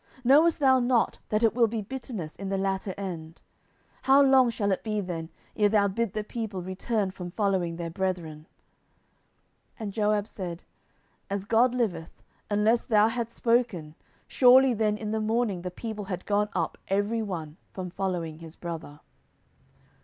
knowest thou not that it will be bitterness in the latter end? how long shall it be then, ere thou bid the people return from following their brethren? 10:002:027 And Joab said, As God liveth, unless thou hadst spoken, surely then in the morning the people had gone up every one from following his brother.